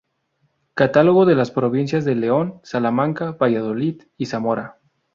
Catálogo de las provincias de León, Salamanca, Valladolid y Zamora.